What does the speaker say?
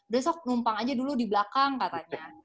besok numpang aja dulu di belakang katanya